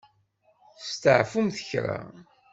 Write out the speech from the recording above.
Steɛfumt kra.